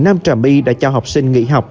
nam trà my đã cho học sinh nghỉ học